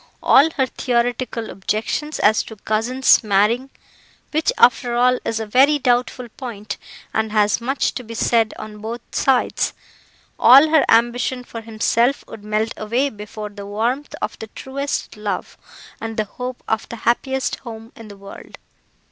All her theoretical objections as to cousins marrying (which after all is a very doubtful point, and has much to be said on both sides); all her ambition for himself would melt away before the warmth of the truest love and the hope of the happiest home in the world.